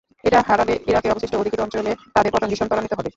এটা হারালে ইরাকের অবশিষ্ট অধিকৃত অঞ্চলে তাদের পতন ভীষণ ত্বরান্বিত হবে।